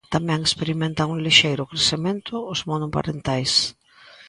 Tamén experimentan un lixeiro crecemento os monoparentais.